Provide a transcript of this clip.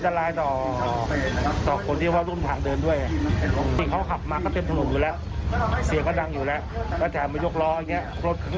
จังหวัดธรรมดามันก็ปกติของการขับรถเราเข้าใจนะฮะแต่ว่า